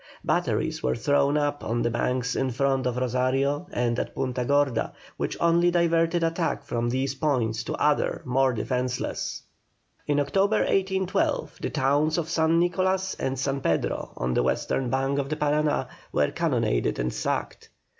Batteries were thrown up on the banks in front of Rosario and at Punta Gorda, which only diverted attack from these points to others more defenceless. In October, 1812, the towns of San Nicolas and San Pedro, on the western bank of the Parana, were cannonaded and sacked.